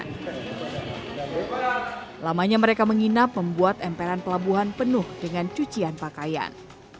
selamanya mereka menginap membuat emperan pelabuhan penuh dengan cucian pakaian